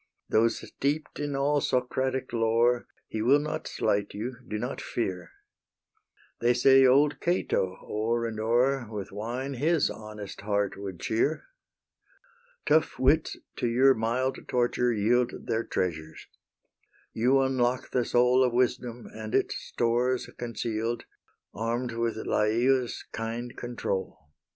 Though steep'd in all Socratic lore He will not slight you; do not fear. They say old Cato o'er and o'er With wine his honest heart would cheer. Tough wits to your mild torture yield Their treasures; you unlock the soul Of wisdom and its stores conceal'd, Arm'd with Lyaeus' kind control.